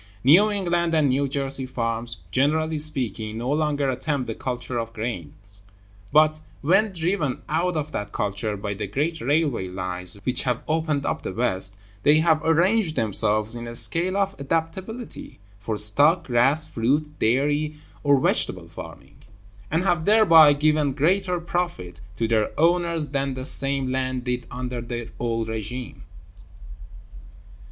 New England and New Jersey farms, generally speaking, no longer attempt the culture of grains, but (when driven out of that culture by the great railway lines which have opened up the West) they have arranged themselves in a scale of adaptability for stock, grass, fruit, dairy, or vegetable farming; and have thereby given greater profits to their owners than the same land did under the old régime.